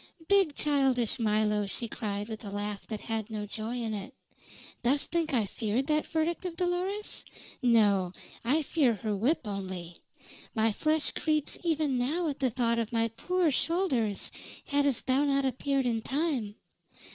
"Big, childish Milo!" she cried with a laugh that had no joy in it. "Dost think I feared that verdict of Dolores? No. I fear her whip only. My flesh creeps even now at thought of my poor shoulders hadst thou not appeared in time.